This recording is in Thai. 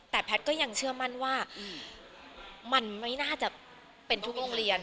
แต่แพทย์ก็ยังเชื่อมั่นว่ามันไม่น่าจะเป็นทุกโรงเรียน